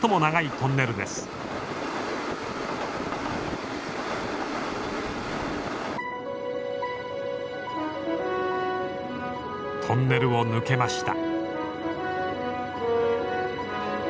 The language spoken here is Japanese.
トンネルを抜けました。